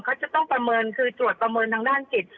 เขาจะต้องประเมินคือตรวจประเมินทางด้านจิต